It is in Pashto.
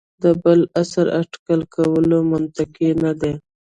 د بل عصر اټکل کول منطقي نه دي.